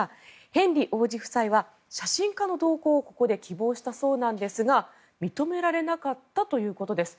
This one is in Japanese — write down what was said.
ヘンリー王子夫妻は写真家の同行をここで希望したそうなんですが認められなかったということです。